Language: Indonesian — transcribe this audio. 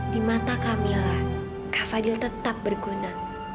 di mata kak mila kak fadil tetap berguna